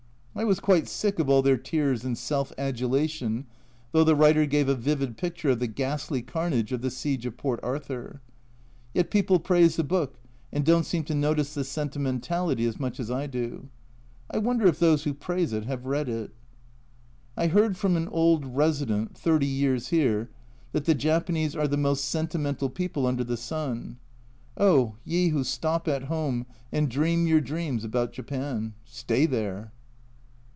I was quite sick of all their tears and self adulation, though the writer gave a vivid picture of the ghastly carnage of the siege of Port Arthur. Yet people praise the book and don't seem to notice the sentimentality as much as I do. I wonder if those who praise it have read it. I heard from an old resident (thirty years here) that the Japanese are the most sentimental people under the sun. Oh, ye who stop at home and dream your dreams about Japan ! Stay there.